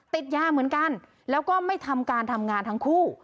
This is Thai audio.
ติดยาเหมือนกันแล้วก็ไม่ทำการทำงานทั้งคู่